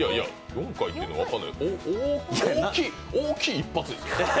４回ってのは分からない、大きい一発です。